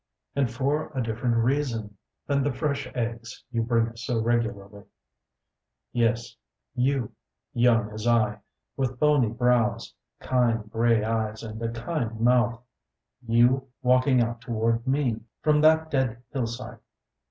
And for a different reason than the fresh eggs you bring us so regularly. Yes, you, young as I, with boney brows, kind grey eyes and a kind mouth; you walking out toward me from that dead hillside!